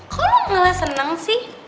kok lo malah seneng sih